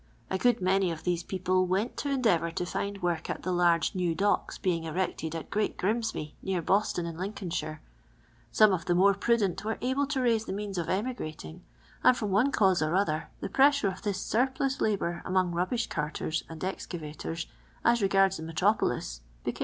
A good many of these people went to endeavour to find work at the large new docks being erected at Great Grimsby, near Boston, in Lincolnshire. Some of the more prudent were able to raise the means of emigrating, and from one canse or other the pressure of this snrplus labour among rub bish carters and excavators, as regards the me tropolis, became relieved."